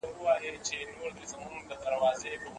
دا پېښه د حکومت له خوا سیاسي ګټه وګرځول شوه.